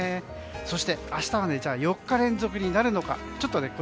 そして、明日は４日連続になるのか。